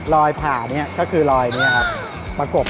ลอยผ่านเนี่ยก็คือลอยเนี่ยครับ